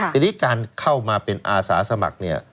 ทีนี้การเข้ามาเป็นอาสาสมัครเนี่ย